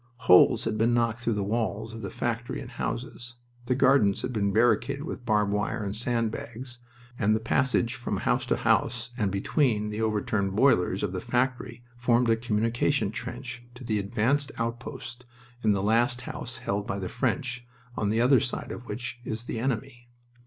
Holes had been knocked through the walls of the factory and houses, the gardens had been barricaded with barbed wire and sand bags, and the passage from house to house and between the overturned boilers of the factory formed a communication trench to the advanced outpost in the last house held by the French, on the other side of which is the enemy.